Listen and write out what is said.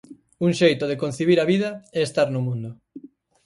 Un xeito de concibir a vida e estar no mundo.